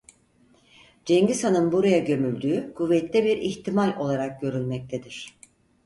Cengiz Han'ın buraya gömüldüğü kuvvetli bir ihtimal olarak görülmektedir.